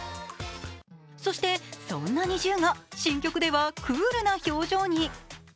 そして、そんなＮｉｚｉＵが新曲ではクールな表情に。